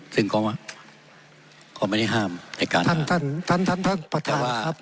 ซึ่งก็ว่าก็ไม่ได้ห้ามในการท่านท่านท่านท่านท่านประธานครับ